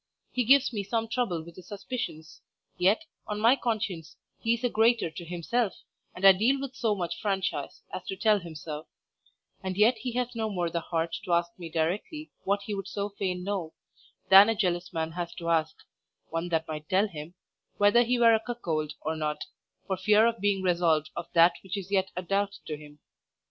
He gives me some trouble with his suspicions; yet, on my conscience, he is a greater to himself, and I deal with so much franchise as to tell him so; and yet he has no more the heart to ask me directly what he would so fain know, than a jealous man has to ask (one that might tell him) whether he were a cuckold or not, for fear of being resolved of that which is yet a doubt to him.